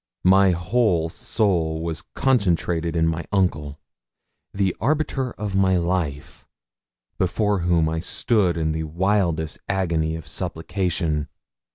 My whole soul was concentrated in my uncle, the arbiter of my life, before whom I stood in the wildest agony of supplication.